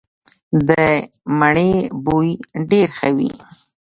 د مڼې بوی ډیر ښه وي.